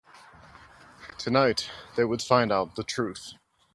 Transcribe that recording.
Tonight, they would find out the truth.